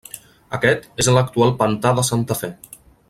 Aquest és l'actual Pantà de Santa Fe.